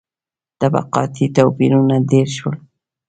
• طبقاتي توپیرونه ډېر شول.